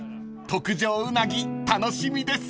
［特上ウナギ楽しみです］